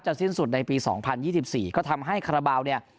สิ้นสุดในปี๒๐๒๔ก็ทำให้คาราบาลเนี่ย